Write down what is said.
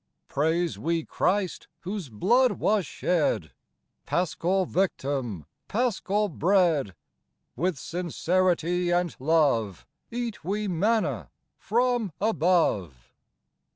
Praise we Christ whose blood was shed, Paschal Victim, Paschal Bread ; With sincerity and love Eat we manna from above.